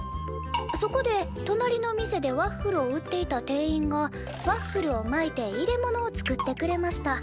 そこでとなりの店でワッフルを売っていた店員がワッフルを巻いて入れ物を作ってくれました。